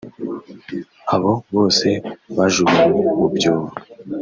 abo bose bajugunywe mu byobo